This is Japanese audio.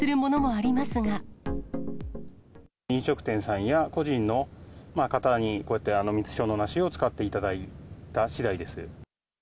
飲食店さんや個人の方に、こうやってみつ症の梨を使っていただいたしだいです。